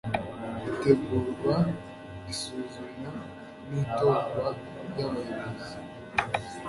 itegurwa, isuzumwa n'itorwa ry'abayobozi